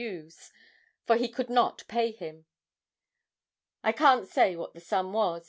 U.'s, for he could not pay him. I can't say what the sum was.